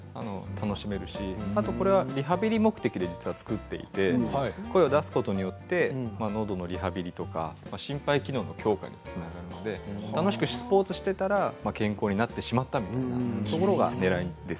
リハビリ目的で実は作っていて声を出すことによってのどのリハビリとか心肺機能の強化につながるので楽しくスポーツをしていたら健康になってしまったみたいなところが、ねらいです。